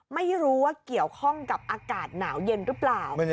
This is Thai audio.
ไม่รู้ว่าเกี่ยวข้องกับอากาศหนาวเย็นหรือเปล่า